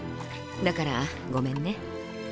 だからごめんね。